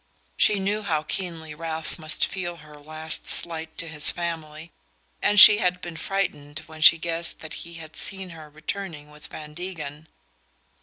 She knew how keenly Ralph must feel her last slight to his family, and she had been frightened when she guessed that he had seen her returning with Van Degen.